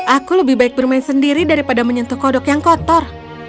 aku lebih baik bermain sendiri daripada menyentuh kodok yang kotor